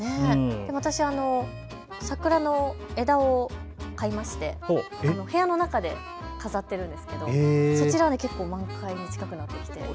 私、桜の枝を買いましてお部屋の中で飾っているんですけどそちらは結構、満開に近くなってきています。